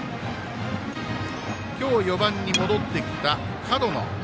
今日４番に戻ってきた門野。